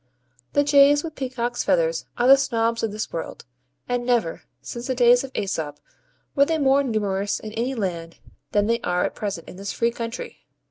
The jays with peacocks' feathers are the Snobs of this world: and never, since the days of Aesop, were they more numerous in any land than they are at present in this free country.